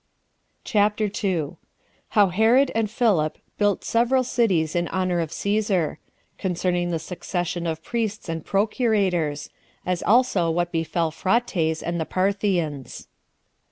CHAPTER 2. How Herod And Philip Built Several Cities In Honor Of Cæsar. Concerning The Succession Of Priests And Procurators; As Also What Befell Phraates And The Parthians.